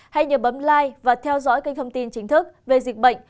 hãy nhớ bấm like và theo dõi kênh thông tin chính thức về dịch bệnh